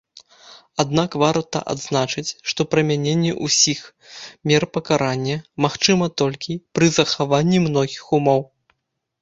Аднак варта адзначыць, што прымяненне ўсіх мер пакарання магчыма толькі пры захаванні многіх умоў.